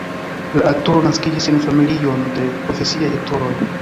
La aktoro naskiĝis en familion de profesiaj aktoroj.